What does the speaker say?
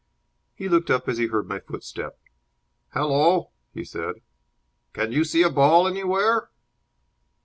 He looked up as he heard my footstep. "Hallo," he said. "Can you see a ball anywhere?"